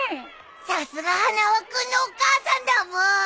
さすが花輪君のお母さんだブー。